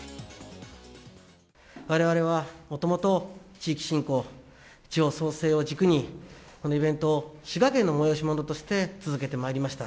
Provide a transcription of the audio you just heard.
われわれはもともと地域振興、地方創生を軸に、このイベントを滋賀県の催し物として続けてまいりました。